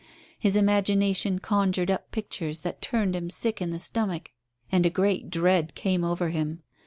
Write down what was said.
His imagination conjured up pictures that turned him sick in the stomach, and a great dread came over him.